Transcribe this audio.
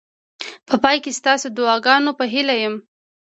په پای کې ستاسو د دعاګانو په هیله یم.